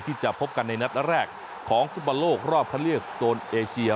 ที่จะพบกันในนัดแรกของศุภโลกรอบเขาเรียกโซนเอเชีย